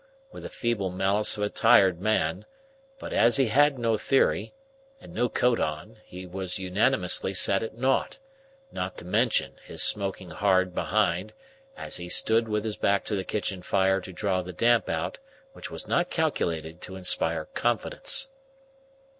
with the feeble malice of a tired man; but, as he had no theory, and no coat on, he was unanimously set at naught,—not to mention his smoking hard behind, as he stood with his back to the kitchen fire to draw the damp out: which was not calculated to inspire confidence.